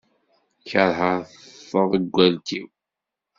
Kerheɣ taḍeggalt-iw.